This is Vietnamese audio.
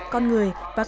không gian văn hóa